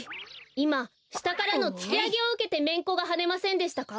いましたからのつきあげをうけてめんこがはねませんでしたか？